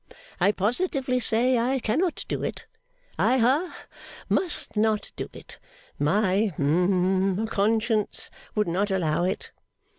I positively say I cannot do it. I ha must not do it. My hum conscience would not allow it.